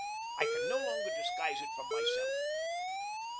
I can no longer disguise it from myself.